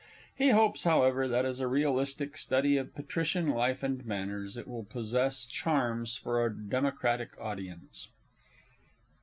He hopes, however, that, as a realistic study of Patrician life and manners, it will possess charms for a democratic audience.